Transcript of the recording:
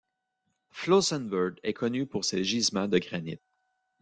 Flossenbürg est connue pour ses gisements de granit.